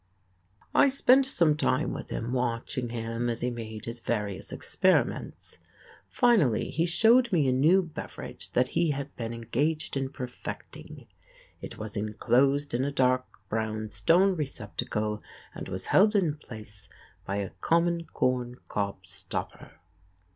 I spent some time with him watching him as he made his various experiments. Finally, he showed me a new beverage that he had been engaged in perfecting. It was inclosed in a dark brown stone receptacle and was held in place by a common corn cob stopper.